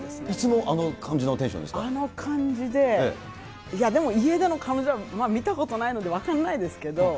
いつもあの感じのテンションあの感じで、いや、でも、家での彼女は見たことないので分かんないですけど。